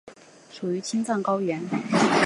属于青藏高原。